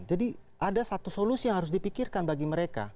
jadi ada satu solusi yang harus dipikirkan bagi mereka